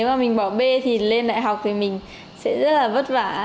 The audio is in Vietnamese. tại vì nếu mà mình bỏ bê thì lên đại học thì mình sẽ rất là vất vả